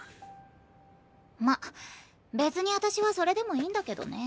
まっ別にあたしはそれでもいいんだけどね。